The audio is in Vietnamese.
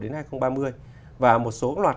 đến hai nghìn ba mươi và một số loạt